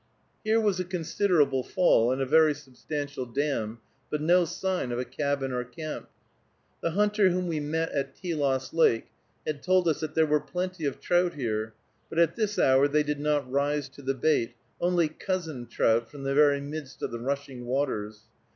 Here was a considerable fall, and a very substantial dam, but no sign of a cabin or camp. The hunter whom we met at Telos Lake had told us that there were plenty of trout here, but at this hour they did not rise to the bait, only cousin trout, from the very midst of the rushing waters.